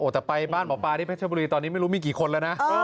แต่ไปบ้านหมอปลาที่เพชรบุรีตอนนี้ไม่รู้มีกี่คนแล้วนะ